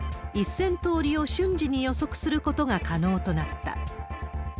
１０００通りを瞬時に予測することが可能となった。